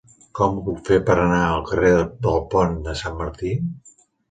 Com ho puc fer per anar al carrer del Pont de Sant Martí?